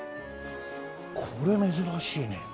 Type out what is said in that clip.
これ珍しいね。